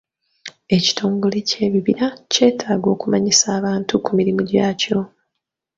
Ekitongole ky'ebibira kyetaaaga okumanyisa abantu ku mirimu gyakyo.